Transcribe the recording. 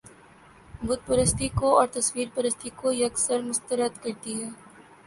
بت پرستی کو اور تصویر پرستی کو یک سر مسترد کرتی ہے